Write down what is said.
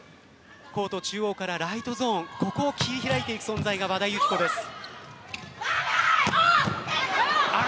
コート中央からライトゾーンここを切り開いていく存在が和田由紀子です。